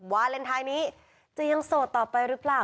วาเลนไทยนี้จะยังโสดต่อไปหรือเปล่า